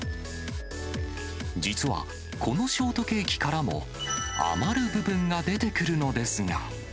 実は、このショートケーキからも、余る部分が出てくるのですが。